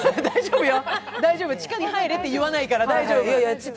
大丈夫、地下に入れって言わないから。